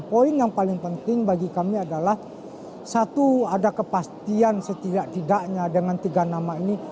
poin yang paling penting bagi kami adalah satu ada kepastian setidak tidaknya dengan tiga nama ini